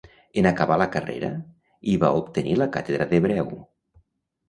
En acabar la carrera, hi va obtenir la càtedra d'Hebreu.